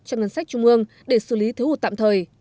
cho ngân sách trung ương để xử lý thiếu hụt tạm thời